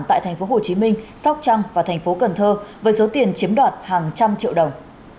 tại thành phố hồ chí minh sóc trăng và thành phố cần thơ với số tiền chiếm đoạt hàng trăm triệu đồng